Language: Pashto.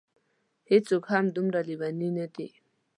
هېڅوک هم دومره لېوني نه دي.